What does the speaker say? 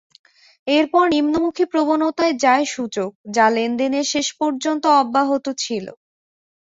এরপর নিম্নমুখী প্রবণতায় যায় সূচক, যা লেনদেনের শেষ পর্যন্ত অব্যাহত ছিল।